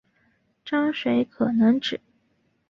章水可能指